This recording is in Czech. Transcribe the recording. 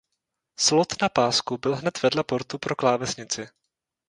Slot na pásku byl hned vedle portu pro klávesnici.